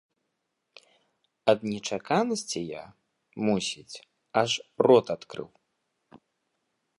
Ад нечаканасці я, мусіць, аж рот адкрыў.